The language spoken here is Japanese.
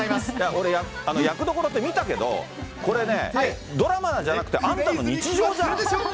俺、役どころって見たけど、これね、ドラマじゃなくてあんたの日常じゃん。